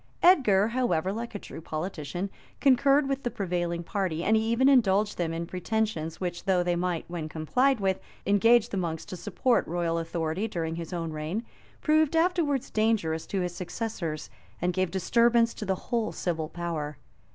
Edgar, however, like a true politician, concurred with the prevailing party; and he even indulged them in pretensions, which, though they might, when complied with, engage the monks to support royal authority during his own reign, proved afterwards dangerous to his successors, and gave disturbance to the whole civil power.